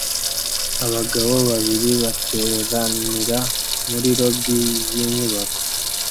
Abagabo babiri bateranira muri lobby yinyubako